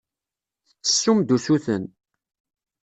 Tettessum-d usuten.